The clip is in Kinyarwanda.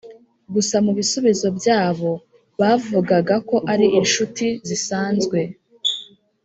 gusa mu bisubizo byabo bavugaga ko ari inshuti zisanzwe